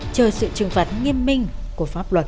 chờ sự trừng phạt nghiêm minh của pháp luật